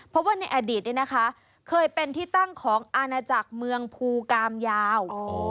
เพราะว่าในอดีตเคยเป็นที่ตั้งของอาณาจักรเมืองภูกามยาว